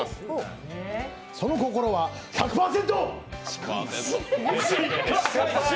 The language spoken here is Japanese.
その心は、１００％！